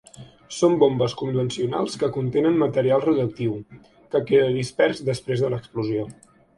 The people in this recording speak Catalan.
Són bombes convencionals que contenen material radioactiu, que queda dispers després de l'explosió.